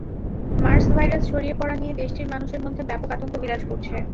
Mars virus ছড়িয়ে পড়া নিয়ে দেশটির মানুষের মধ্যে ব্যাপক আতঙ্ক বিরাজ করছে।